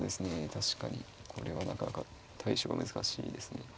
確かにこれはなかなか対処が難しいですね。